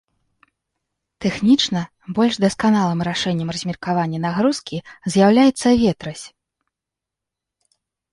Тэхнічна больш дасканалым рашэннем размеркавання нагрузкі з'яўляецца ветразь.